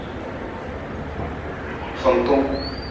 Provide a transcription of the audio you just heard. Fantung.